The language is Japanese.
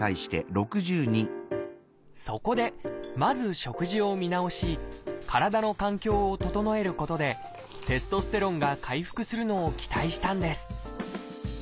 そこでまず食事を見直し体の環境を整えることでテストステロンが回復するのを期待したんです。